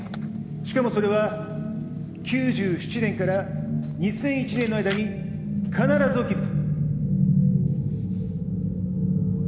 しかもそれは９７年から２００１年の間に必ず起きると。